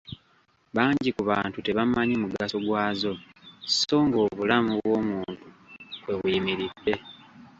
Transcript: Bangi ku bantu tebamanyi mugaso gwazo so ng’obulamu bw’omuntu kwe buyimiridde.